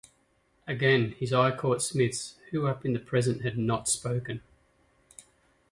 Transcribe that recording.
Again his eye caught Smith's, who up to the present had not spoken.